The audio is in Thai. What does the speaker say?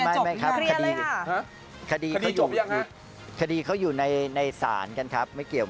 อ๋อไม่ครับคดีเขาอยู่ในสารกันครับไม่เกี่ยว